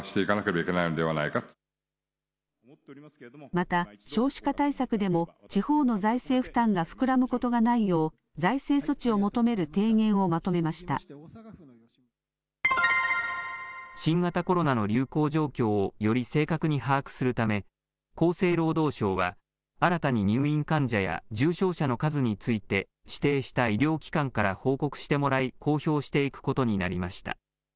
また、少子化対策でも、地方の財政負担が膨らむことがないよう財政措置を求める提言をま新型コロナの流行状況をより正確に把握するため、厚生労働省は、新たに入院患者や重症者の数について、指定した医療機関から報告してもらい、公表していくことになりました。